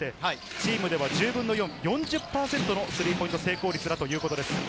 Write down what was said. チームでは１０分の４、４０％のスリーポイント成功率だということです。